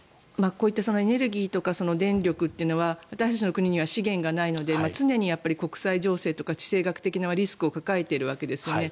こういったエネルギーとか電力というのは私たちの国には資源がないので常に国際情勢とか地政学的なリスクを抱えているわけですよね。